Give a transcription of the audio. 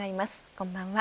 こんばんは。